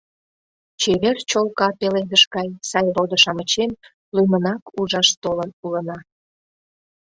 Чевер чолка пеледыш гай сай родо-шамычем лӱмынак ужаш толын улына.